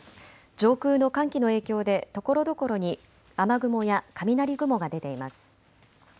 上空の寒気の影響でところどころに雨雲や雷雲が出ています。